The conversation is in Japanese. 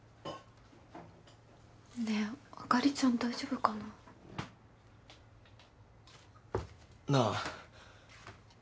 あかりちゃん大丈夫かな？